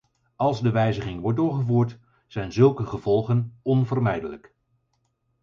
Als de wijziging wordt doorgevoerd, zijn zulke gevolgen onvermijdelijk.